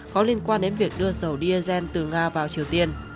có liên quan đến việc đưa dầu diesel từ nga vào triều tiên